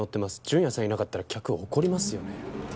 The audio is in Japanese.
純也さんがいなかったら客怒りますよね？